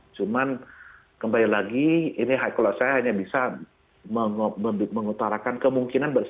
cuman kembali lagi ini kalau saya hanya bisa mengutarakan kemungkinan